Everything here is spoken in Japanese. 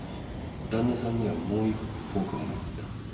旦那さんにはもう一歩効果がなかった。